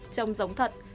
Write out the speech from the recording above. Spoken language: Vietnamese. trông giống thật